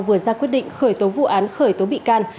vừa ra quyết định khởi tố vụ án khởi tố bị can